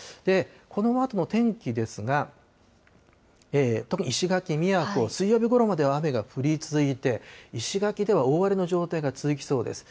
このあとの天気ですが、特に石垣、宮古、水曜日ごろまでは雨が降り続いて、石垣では大荒れの状態が続きそうです。